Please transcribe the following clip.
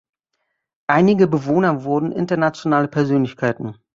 Einige Bewohner wurden internationale Persönlichkeiten.